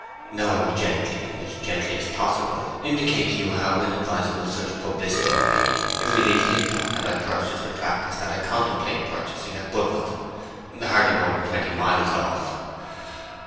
Now I would gently, as gently as possible, indicate to you how inadvisable such publicity would be if we leave Hintock, and I purchase the practice that I contemplate purchasing at Budmouth—hardly more than twenty miles off.